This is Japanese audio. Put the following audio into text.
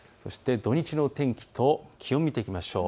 土日の天気と気温も見ていきましょうか。